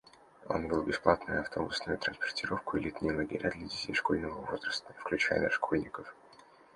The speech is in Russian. Он ввел бесплатную автобусную транспортировку и летние лагеря для детей школьного возраста, включая дошкольников.